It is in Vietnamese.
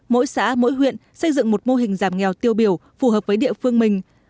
mỗi xã mỗi huyện xây dựng một mô hình giảm nghèo tiêu biểu phù hợp với địa phương mình